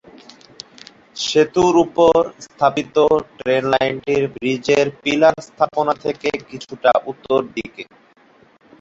সেতুর ওপর স্থাপিত ট্রেন লাইনটির ব্রিজের পিলার স্থাপনা থেকে কিছুটা উত্তর দিকে।